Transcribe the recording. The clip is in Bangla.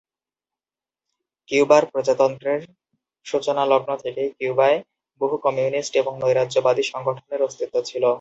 কিউবার প্রজাতন্ত্রের সূচনালগ্ন থেকেই কিউবায় বহু কমিউনিস্ট এবং নৈরাজ্যবাদী সংগঠনের অস্তিত্ব ছিল।